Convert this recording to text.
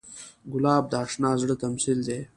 ګلاب د اشنا زړه تمثیل دی.